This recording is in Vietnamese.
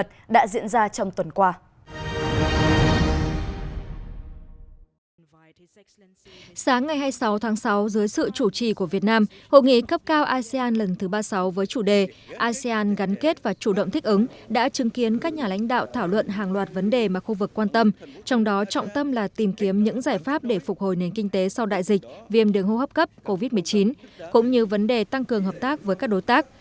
sáng ngày hai mươi sáu tháng sáu dưới sự chủ trì của việt nam hội nghị cấp cao asean lần thứ ba mươi sáu với chủ đề asean gắn kết và chủ động thích ứng đã chứng kiến các nhà lãnh đạo thảo luận hàng loạt vấn đề mà khu vực quan tâm trong đó trọng tâm là tìm kiếm những giải pháp để phục hồi nền kinh tế sau đại dịch viêm đường hô hấp cấp covid một mươi chín cũng như vấn đề tăng cường hợp tác với các đối tác